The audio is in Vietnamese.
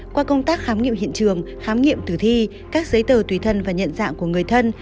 qua công tác khám nghiệm hiện trường khám nghiệm tử thi các giấy tờ tùy thân và nhận dạng của người thân